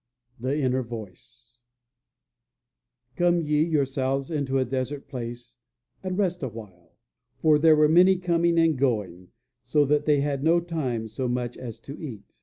THE INNER VOICE "Come ye yourselves into a desert place and rest awhile; for there were many coming and going, so that they had no time so much as to eat."